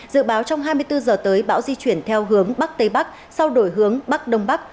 dự báo trong hai mươi bốn giờ tới bão di chuyển theo hướng bắc tây bắc sau đổi hướng bắc đông bắc